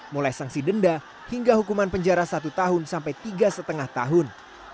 mulai sanksi denda hingga hukuman penjara satu tahun sampai tiga lima tahun